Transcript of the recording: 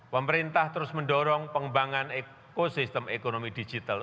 pemerintah terus mendorong pengembangan ekosistem ekonomi digital